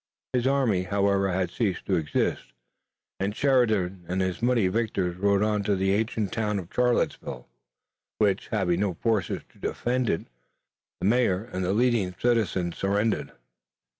His army, however, had ceased to exist, and Sheridan and his muddy victors rode on to the ancient town of Charlottesville, which, having no forces to defend it, the mayor and the leading citizens surrendered.